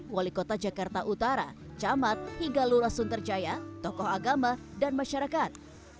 wali kota jakarta utara camat hingga lura sunterjaya tokoh agama dan masyarakat